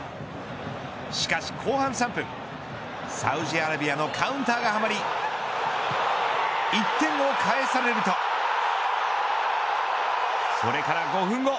しかし後半３分サウジアラビアのカウンターがはまり１点を返されるとそれから５分後。